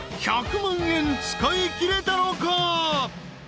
［１００万円使いきれたのか？］